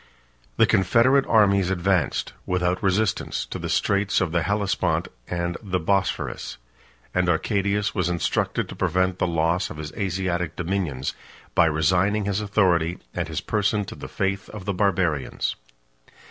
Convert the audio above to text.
The confederate armies advanced, without resistance, to the straits of the Hellespont and the Bosphorus; and Arcadius was instructed to prevent the loss of his Asiatic dominions, by resigning his authority and his person to the faith of the Barbarians.